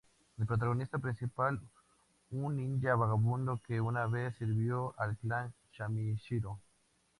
El protagonista principal, un ninja vagabundo que una vez sirvió al clan Yamashiro.